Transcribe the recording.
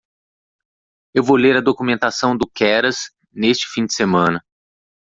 Eu vou ler a documentação do Keras neste fim de semana.